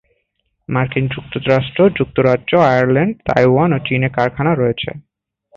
মার্কিন যুক্তরাষ্ট্র, যুক্তরাজ্য, আয়ারল্যান্ড, তাইওয়ান এবং চীনে এর কারখানা রয়েছে।